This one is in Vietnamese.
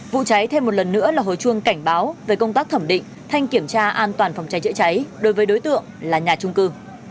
vụ cháy thêm một lần nữa là hồi chuông cảnh báo về công tác thẩm định thanh kiểm tra an toàn phòng cháy chữa cháy đối với đối tượng là nhà trung cư